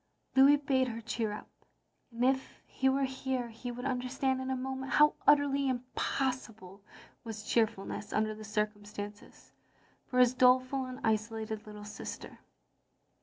..." Lotiis bade her cheer up; and if he were here, he would understand in a moment how utterly impossible was cheerfulness under the circum stances, for his doleful and isolated little sister.